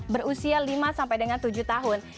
berusia lima sampai dengan tujuh tahun